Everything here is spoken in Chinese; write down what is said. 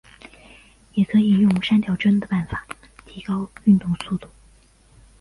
也可以用删除帧的办法提高运动速度。